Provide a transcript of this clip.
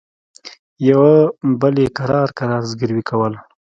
يوه بل يې کرار کرار زګيروي کول.